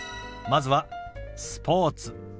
まずは「スポーツ」。